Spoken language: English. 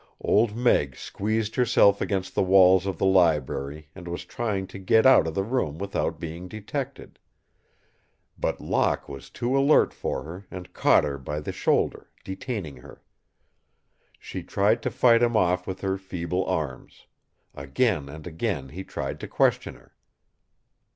Old Meg squeezed herself against the walls of the library and was trying to get out of the room without being detected. But Locke was too alert for her and caught her by the shoulder, detaining her. She tried to fight him off with her feeble arms. Again and again he tried to question her.